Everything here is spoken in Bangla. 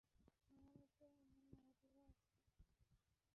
মায়ামিতে অন্যান্য হোটেলও আছে।